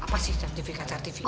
apa sih sertifikat sertifikat